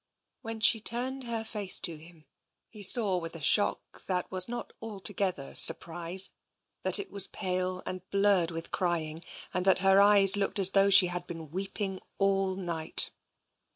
When she turned her face to him, he saw with a shock, that was not altogether surprise, that it was pale and blurred with crying and that her eyes looked as though she had been weeping all night.